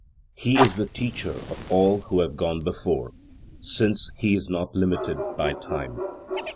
He is the Teacher of all who have gone before, since he is not limited by Time.